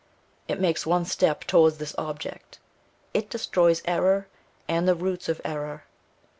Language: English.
It makes one step towards this object; it destroys error, and the roots of error.